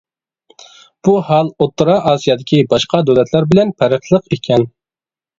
بۇ ھال ئوتتۇرا ئاسىيادىكى باشقا دۆلەتلەر بىلەن پەرقلىق ئىكەن.